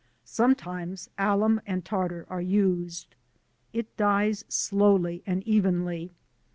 Sometimes alum and tartar are used. It dyes slowly and evenly.